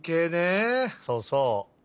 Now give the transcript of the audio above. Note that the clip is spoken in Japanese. そうそう。